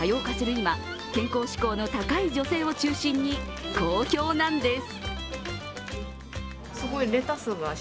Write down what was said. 今健康志向の高い女性を中心に好評なんです。